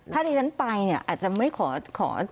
ถ้าดิฉันไปอาจจะไม่ขอ